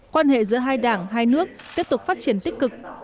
quan hệ giữa hai đảng hai nước tiếp tục phát triển tích cực